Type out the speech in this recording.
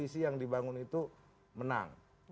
bahwa koalisi yang dibangun itu menang